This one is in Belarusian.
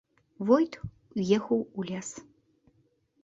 Войт уехаў у лес.